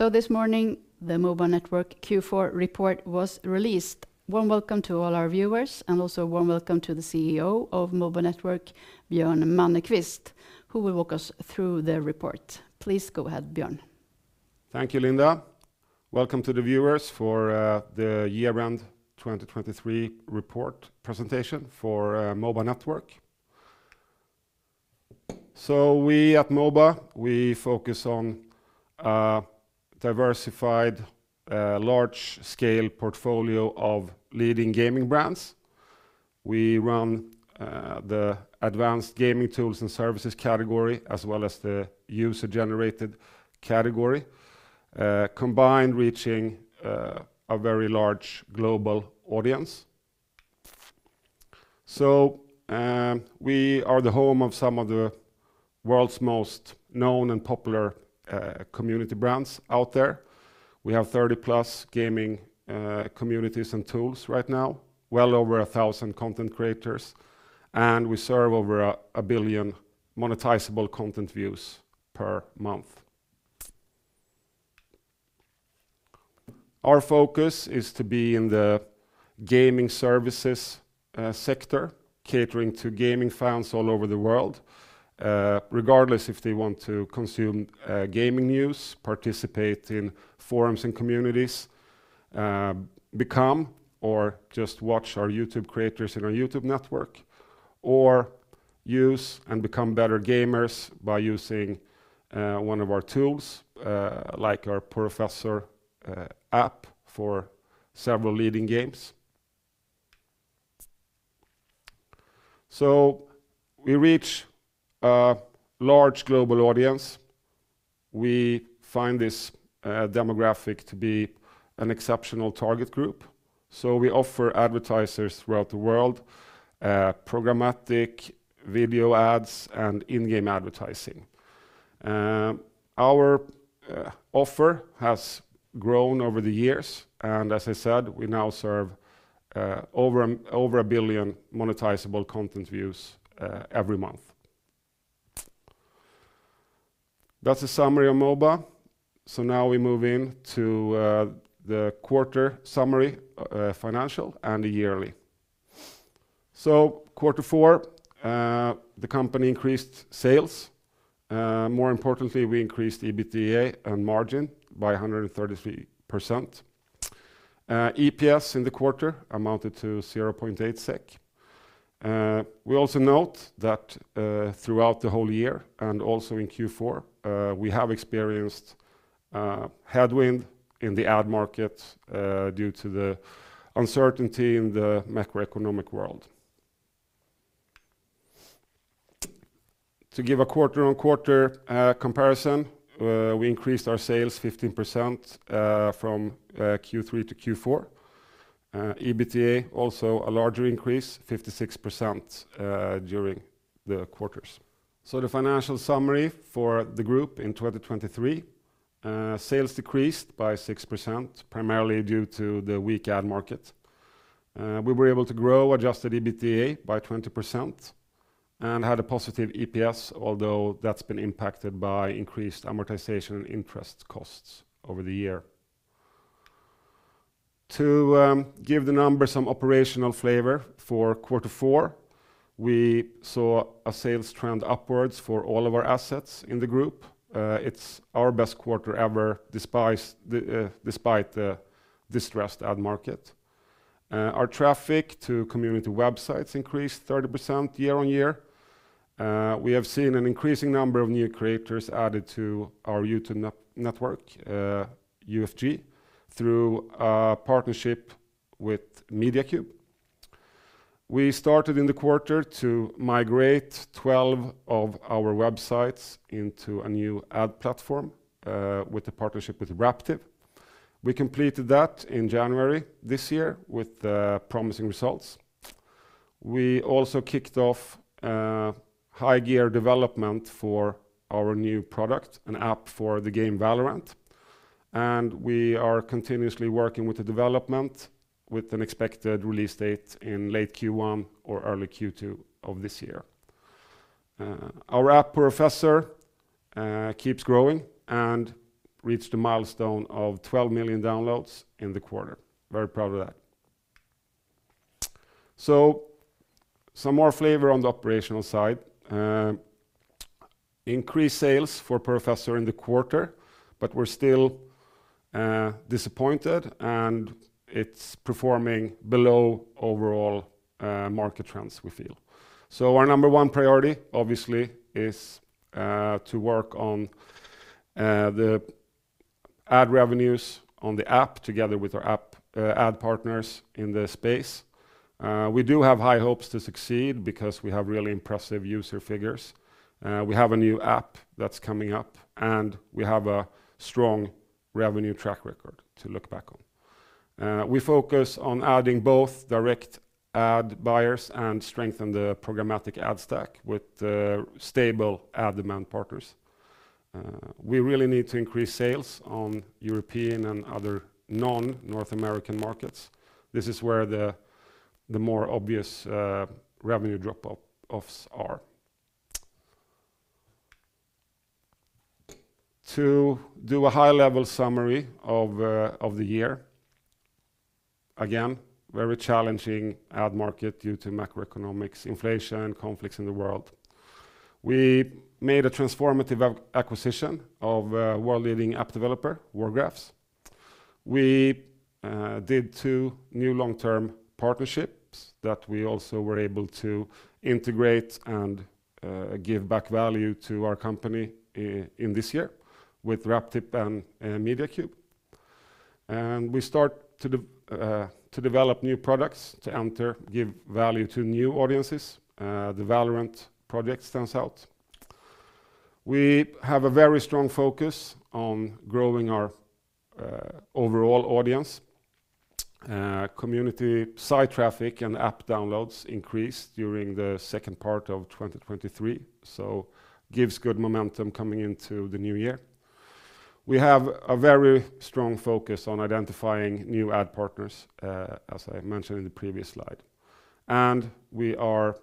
So this morning, the M.O.B.A. Network Q4 report was released. Warm welcome to all our viewers, and also warm welcome to the Chief Executive Officer of M.O.B.A. Network, Björn Mannerqvist, who will walk us through the report. Please go ahead, Björn. Thank you, Linda. Welcome to the viewers for the Year-End 2023 report presentation for M.O.B.A. Network. So we at M.O.B.A. focus on a diversified, large-scale portfolio of leading gaming brands. We run the advanced gaming tools and services category, as well as the user-generated category, combined reaching a very large global audience. So we are the home of some of the world's most known and popular community brands out there. We have 30+ gaming communities and tools right now, well over 1,000 content creators, and we serve over $1 billion monetizable content views per month. Our focus is to be in the gaming services sector, catering to gaming fans all over the world, regardless if they want to consume gaming news, participate in forums and communities, become or just watch our YouTube creators in our YouTube network, or use and become better gamers by using one of our tools, like our Porofessor app for several leading games. So we reach a large global audience. We find this demographic to be an exceptional target group. So we offer advertisers throughout the world, programmatic video ads, and in-game advertising. Our offer has grown over the years, and as I said, we now serve over $1 billion monetizable content views every month. That's a summary of M.O.B.A. So now we move in to the quarter summary, financial, and the yearly. So quarter four, the company increased sales. More importantly, we increased EBITDA and margin by 133%. EPS in the quarter amounted to 0.8 SEK. We also note that throughout the whole year and also in Q4, we have experienced headwind in the ad market due to the uncertainty in the macroeconomic world. To give a quarter-on-quarter comparison, we increased our sales 15% from Q3 to Q4. EBITDA also a larger increase, 56% during the quarters. So the financial summary for the group in 2023: sales decreased by 6%, primarily due to the weak ad market. We were able to grow adjusted EBITDA by 20% and had a positive EPS, although that's been impacted by increased amortization and interest costs over the year. To give the numbers some operational flavor for quarter four, we saw a sales trend upwards for all of our assets in the group. It's our best quarter ever despite the distressed ad market. Our traffic to community websites increased 30% year-on-year. We have seen an increasing number of new creators added to our YouTube network, UFG, through a partnership with Mediacube. We started in the quarter to migrate 12 of our websites into a new ad platform with a partnership with Raptive. We completed that in January this year with promising results. We also kicked off high-gear development for our new product, an app for the game Valorant. We are continuously working with the development, with an expected release date in late Q1 or early Q2 of this year. Our app, Porofessor, keeps growing and reached a milestone of 12 million downloads in the quarter. Very proud of that. Some more flavor on the operational side. Increased sales for Porofessor in the quarter, but we're still disappointed, and it's performing below overall market trends, we feel. So our number one priority, obviously, is to work on the ad revenues on the app together with our app ad partners in the space. We do have high hopes to succeed because we have really impressive user figures. We have a new app that's coming up, and we have a strong revenue track record to look back on. We focus on adding both direct ad buyers and strengthening the programmatic ad stack with stable ad demand partners. We really need to increase sales on European and other non-North American markets. This is where the more obvious revenue drop-offs are. To do a high-level summary of the year: again, very challenging ad market due to macroeconomics, inflation, conflicts in the world. We made a transformative acquisition of a world-leading app developer, Wargraphs. We did two new long-term partnerships that we also were able to integrate and give back value to our company in this year with Raptive and Mediacube. And we start to develop new products to enter, give value to new audiences. The Valorant project stands out. We have a very strong focus on growing our overall audience. Community site traffic and app downloads increased during the second part of 2023, so gives good momentum coming into the new year. We have a very strong focus on identifying new ad partners, as I mentioned in the previous slide. And we are,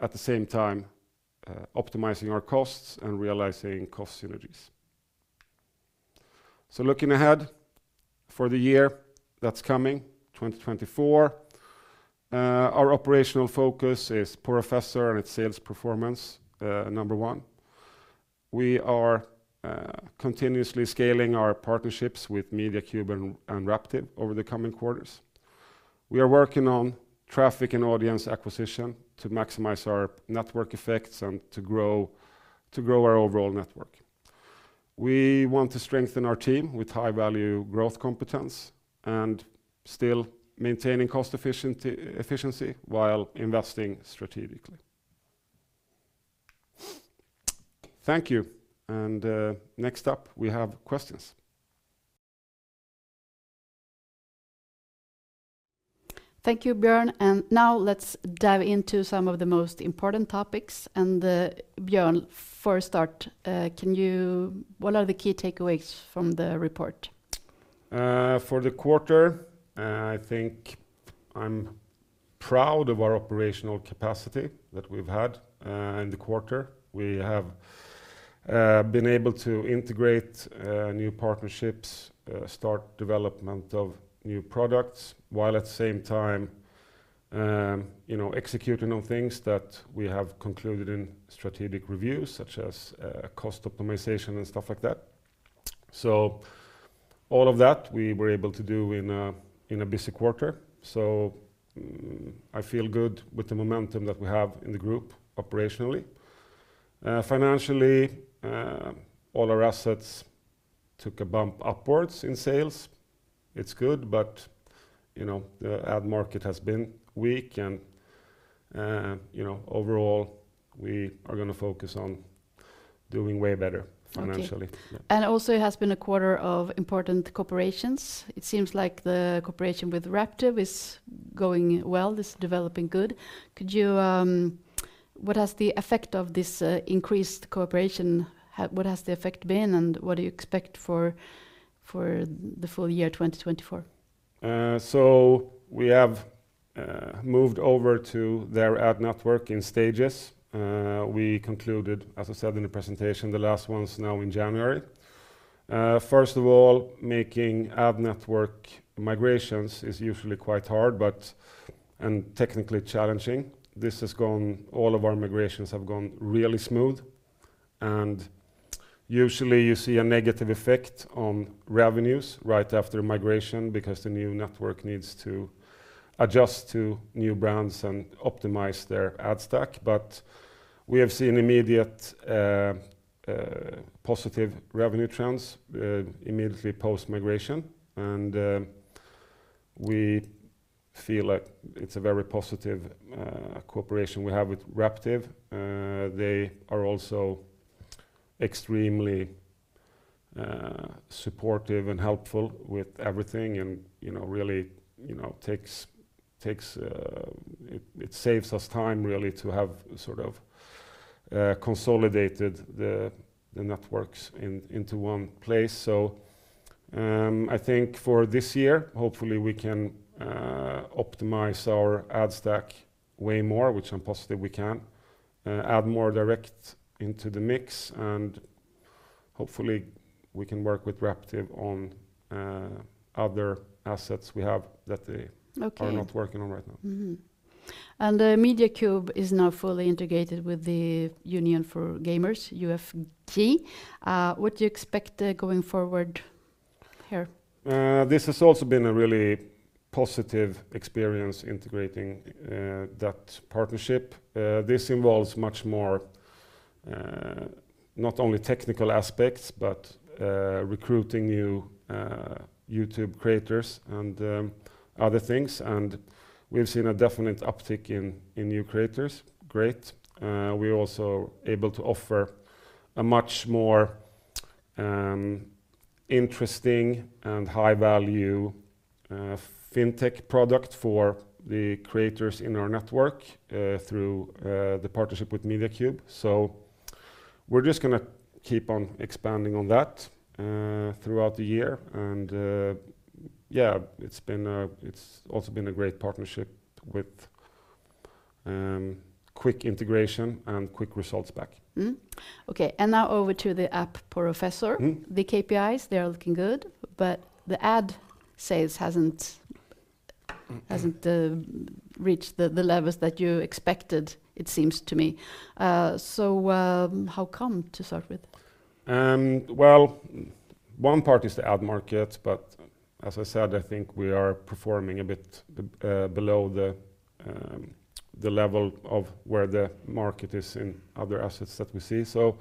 at the same time, optimizing our costs and realizing cost synergies. So looking ahead for the year that's coming, 2024, our operational focus is Porofessor and its sales performance, number one. We are continuously scaling our partnerships with Mediacube and Raptive over the coming quarters. We are working on traffic and audience acquisition to maximize our network effects and to grow our overall network. We want to strengthen our team with high-value growth competence and still maintaining cost efficiency while investing strategically. Thank you. Next up, we have questions. Thank you, Björn. Now let's dive into some of the most important topics. Björn, for a start, can you what are the key takeaways from the report? For the quarter, I think I'm proud of our operational capacity that we've had in the quarter. We have been able to integrate new partnerships, start development of new products, while at the same time executing on things that we have concluded in strategic reviews, such as cost optimization and stuff like that. So all of that we were able to do in a busy quarter. So I feel good with the momentum that we have in the group operationally. Financially, all our assets took a bump upwards in sales. It's good, but the ad market has been weak. Overall, we are going to focus on doing way better financially. Also it has been a quarter of important cooperations. It seems like the cooperation with Raptive is going well, is developing good. What has the effect of this increased cooperation what has the effect been, and what do you expect for the full year 2024? So we have moved over to their ad network in stages. We concluded, as I said in the presentation, the last ones now in January. First of all, making ad network migrations is usually quite hard and technically challenging. All of our migrations have gone really smooth. Usually, you see a negative effect on revenues right after migration because the new network needs to adjust to new brands and optimize their ad stack. But we have seen immediate positive revenue trends immediately post-migration. And we feel like it's a very positive cooperation we have with Raptive. They are also extremely supportive and helpful with everything and really takes it saves us time, really, to have sort of consolidated the networks into one place. I think for this year, hopefully, we can optimize our ad stack way more, which I'm positive we can, add more direct into the mix, and hopefully, we can work with Raptive on other assets we have that they are not working on right now. Mediacube is now fully integrated with the Union For Gamers, UFG. What do you expect going forward here? This has also been a really positive experience integrating that partnership. This involves much more not only technical aspects, but recruiting new YouTube creators and other things. We've seen a definite uptick in new creators. Great. We're also able to offer a much more interesting and high-value fintech product for the creators in our network through the partnership with Mediacube. We're just going to keep on expanding on that throughout the year. Yeah, it's also been a great partnership with quick integration and quick results back. Okay. And now over to the app, Porofessor. The KPIs, they are looking good, but the ad sales hasn't reached the levels that you expected, it seems to me. So how come to start with? Well, one part is the ad market, but as I said, I think we are performing a bit below the level of where the market is in other assets that we see. So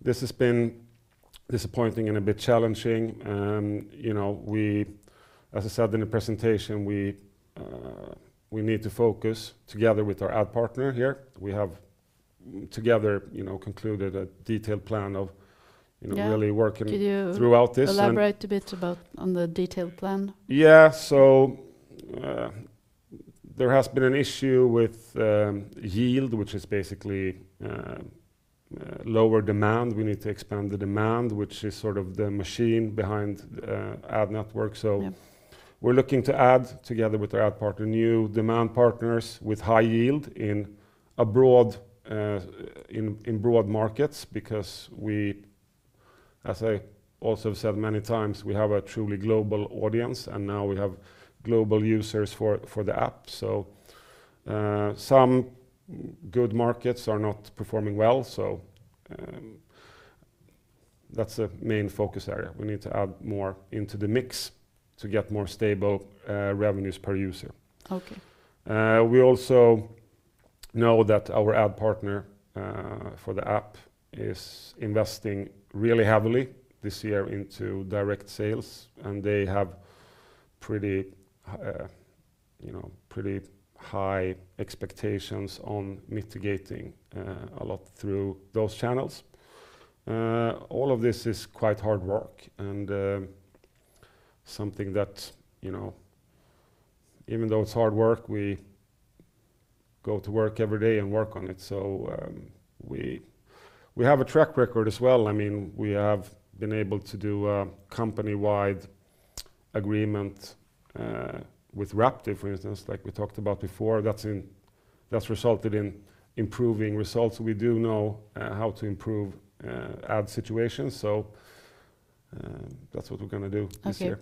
this has been disappointing and a bit challenging. As I said in the presentation, we need to focus together with our ad partner here. We have together concluded a detailed plan of really working throughout this. Can you elaborate a bit on the detailed plan? Yeah. So there has been an issue with yield, which is basically lower demand. We need to expand the demand, which is sort of the machine behind ad network. So we're looking to add, together with our ad partner, new demand partners with high yield in broad markets because we, as I also have said many times, we have a truly global audience, and now we have global users for the app. So some good markets are not performing well. So that's the main focus area. We need to add more into the mix to get more stable revenues per user. We also know that our ad partner for the app is investing really heavily this year into direct sales, and they have pretty high expectations on mitigating a lot through those channels. All of this is quite hard work and something that even though it's hard work, we go to work every day and work on it. So we have a track record as well. I mean, we have been able to do a company-wide agreement with Raptive, for instance, like we talked about before. That's resulted in improving results. We do know how to improve ad situations. So that's what we're going to do this year.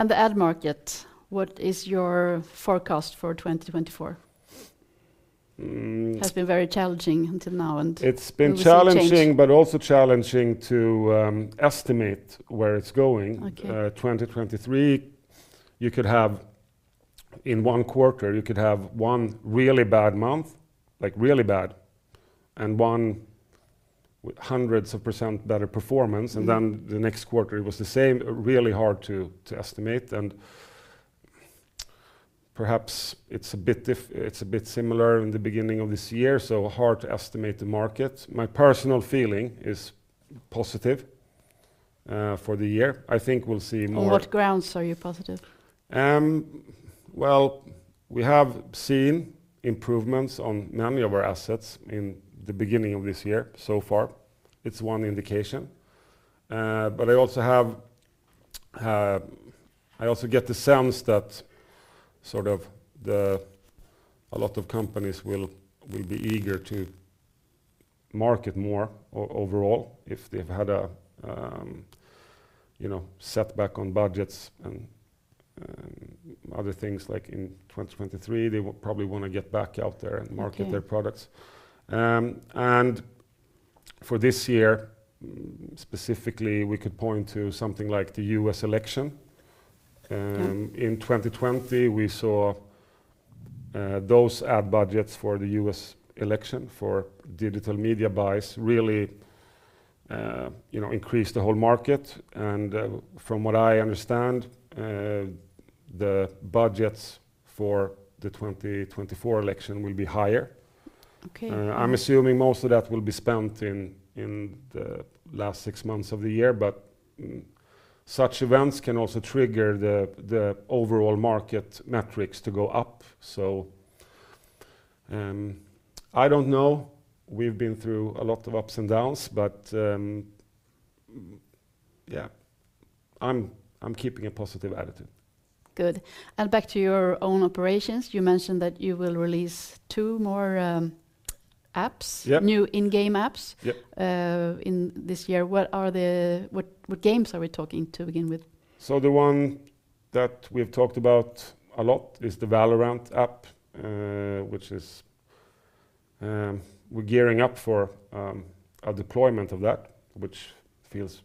Okay. And the ad market, what is your forecast for 2024? It has been very challenging until now. It's been challenging, but also challenging to estimate where it's going. 2023, in one quarter, you could have one really bad month, like really bad, and one with hundreds of % better performance. And then the next quarter it was the same. Really hard to estimate. And perhaps it's a bit similar in the beginning of this year, so hard to estimate the market. My personal feeling is positive for the year. I think we'll see more. On what grounds are you positive? Well, we have seen improvements on many of our assets in the beginning of this year so far. It's one indication. But I also get the sense that sort of a lot of companies will be eager to market more overall if they've had a setback on budgets and other things. Like in 2023, they probably want to get back out there and market their products. And for this year, specifically, we could point to something like the US election. In 2020, we saw those ad budgets for the U.S. election for digital media buys really increase the whole market. And from what I understand, the budgets for the 2024 election will be higher. I'm assuming most of that will be spent in the last six months of the year, but such events can also trigger the overall market metrics to go up. So I don't know. We've been through a lot of ups and downs, but yeah, I'm keeping a positive attitude. Good. Back to your own operations. You mentioned that you will release two more apps, new in-game apps this year. What games are we talking to begin with? So the one that we've talked about a lot is the Valorant app, which is we're gearing up for a deployment of that, which feels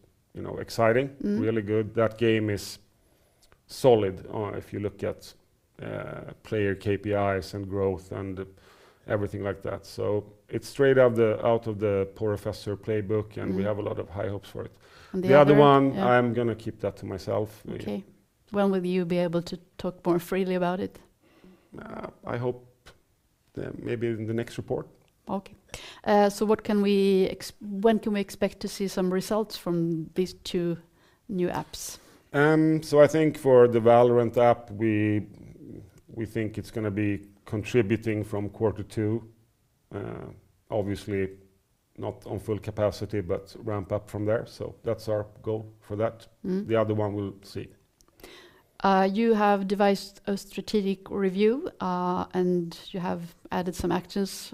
exciting, really good. That game is solid if you look at player KPIs and growth and everything like that. So it's straight out of the Porofessor playbook, and we have a lot of high hopes for it. The other one, I'm going to keep that to myself. Okay. When will you be able to talk more freely about it? I hope maybe in the next report. Okay. So when can we expect to see some results from these two new apps? So I think for the Valorant app, we think it's going to be contributing from quarter two. Obviously, not on full capacity, but ramp up from there. So that's our goal for that. The other one, we'll see. You have devised a strategic review, and you have added some actions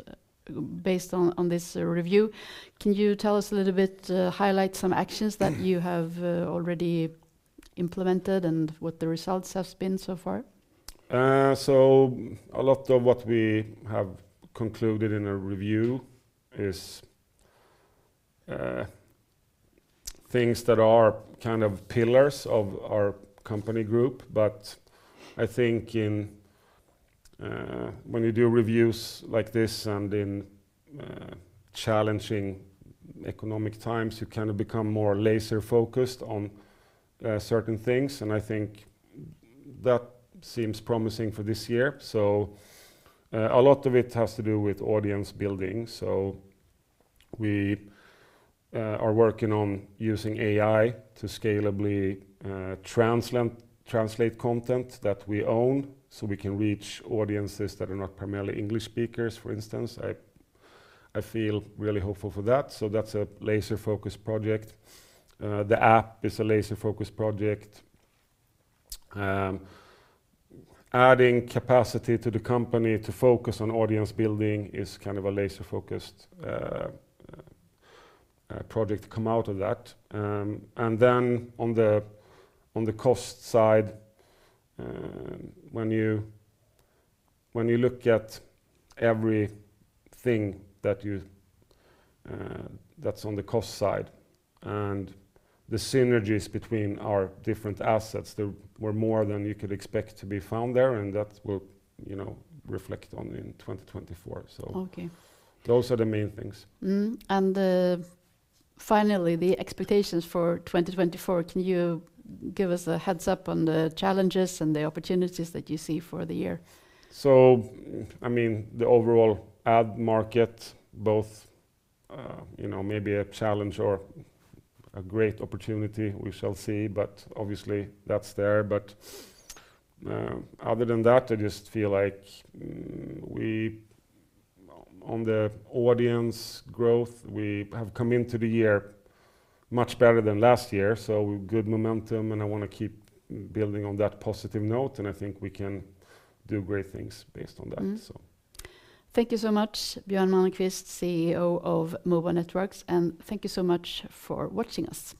based on this review. Can you tell us a little bit, highlight some actions that you have already implemented and what the results have been so far? So a lot of what we have concluded in a review is things that are kind of pillars of our company group. But I think when you do reviews like this, and in challenging economic times, you kind of become more laser-focused on certain things. And I think that seems promising for this year. So a lot of it has to do with audience building. So we are working on using AI to scalably translate content that we own so we can reach audiences that are not primarily English speakers, for instance. I feel really hopeful for that. So that's a laser-focused project. The app is a laser-focused project. Adding capacity to the company to focus on audience building is kind of a laser-focused project to come out of that. And then on the cost side, when you look at everything that's on the cost side and the synergies between our different assets, there were more than you could expect to be found there, and that will reflect on in 2024. So those are the main things. Finally, the expectations for 2024. Can you give us a heads-up on the challenges and the opportunities that you see for the year? I mean, the overall ad market, both maybe a challenge or a great opportunity, we shall see. Obviously, that's there. Other than that, I just feel like on the audience growth, we have come into the year much better than last year. Good momentum, and I want to keep building on that positive note. I think we can do great things based on that. Thank you so much, Björn Mannerqvist, CEO of M.O.B.A. Network. Thank you so much for watching us.